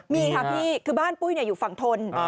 มีค่ะพี่คือบ้านปุ้ยอยู่ฝั่งทน